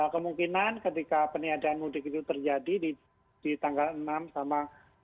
kemungkinan ketika peniadaan mudik itu terjadi di tanggal enam sama